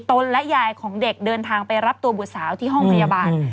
และยายของเด็กเดินทางไปรับตัวบุตรสาวที่ห้องพยาบาล